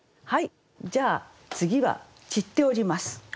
じゃあ次は散っております。